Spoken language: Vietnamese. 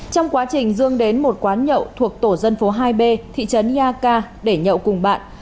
trong quá trình dương đến một quán nhậu thuộc tổ dân phố hai b thị trấn yaka để nhậu cùng bạn